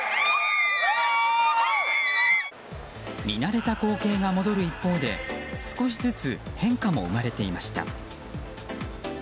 見慣れた光景が戻る一方で少しずつ変化も生まれていました。